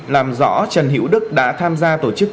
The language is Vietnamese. làm rõ trần hữu đức đã tham gia tổ chức